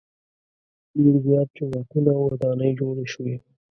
ډېر زیات جوماتونه او ودانۍ جوړې شوې.